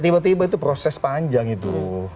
tiba tiba itu proses panjang itu